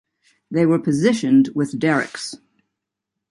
They were positioned with derricks.